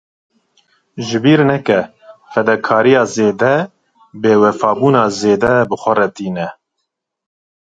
Ji bîr neke; fedekariya zêde, bêwefabûna zêde bi xwe re tîne.